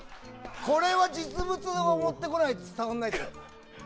これは実物を持ってこないと伝わらないと思って。